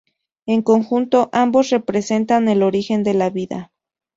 En conjunto, ambos representan el origen de la vida.